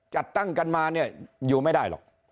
จัดตั้งกันมาเนี่ยอยู่ไม่ได้หรอก